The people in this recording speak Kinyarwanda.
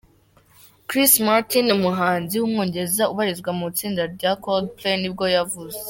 Chris Martin, umuhanzi w’umwongereza ubarizwa mu itsinda rya Coldplay nibwo yavutse.